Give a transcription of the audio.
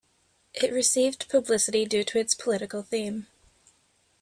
It received publicity due to its political theme.